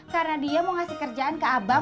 karena dia mau ngasih kerjaan ke abang